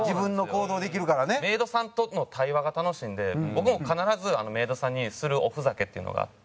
メイドさんとの対話が楽しいんで僕も必ずメイドさんにするおふざけっていうのがあって。